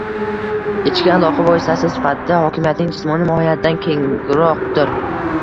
ichki aloqa vositasi sifatida hokimiyatning “jismoniy” mohiyatidan kengroqdir.